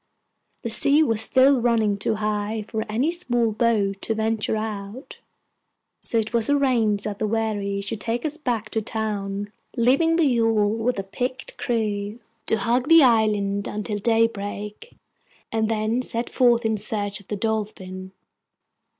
The sea was still running too high for any small boat to venture out; so it was arranged that the wherry should take us back to town, leaving the yawl, with a picked crew, to hug the island until daybreak, and then set forth in search of the Dolphin.